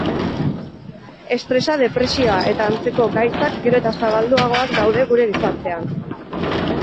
Estresa, depresioa eta antzeko gaitzak gero eta zabalduagoak daude gure gizartean.